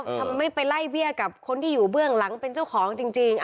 ทำไมไปไล่เบี้ยกับคนที่อยู่เบื้องหลังเป็นเจ้าของจริง